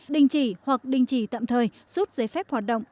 đình chỉ hoặc đình chỉ tạm thời rút giấy phép hoạt động